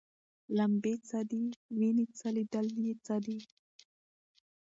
لمبې څه دي ویني څه لیدل یې څه دي